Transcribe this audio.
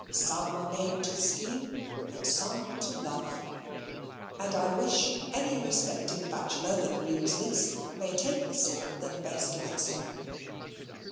Some are made to scheme, and some to love; and I wish any respected bachelor that reads this may take the sort that best likes him.